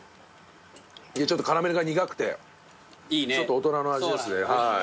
ちょっとカラメルが苦くて大人の味ですね。